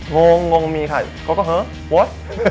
งงงงมีค่ะ